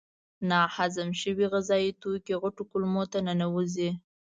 ناهضم شوي غذایي توکي غټو کولمو ته ننوزي.